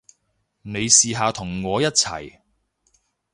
你試下同我一齊